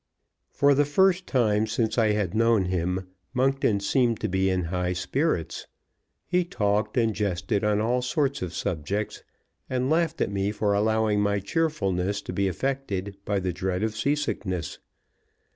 For the first time since I had known him, Monkton seemed to be in high spirits. He talked and jested on all sorts of subjects, and laughed at me for allowing my cheerfulness to be affected by the dread of seasickness.